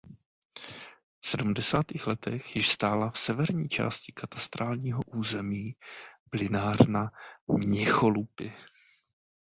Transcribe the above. V sedmdesátých letech již stála v severní části katastrálního území Plynárna Měcholupy.